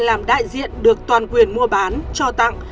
làm đại diện được toàn quyền mua bán cho tặng